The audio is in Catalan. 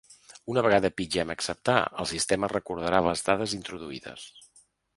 Una vegada pitgem “acceptar”, el sistema recordarà les dades introduïdes.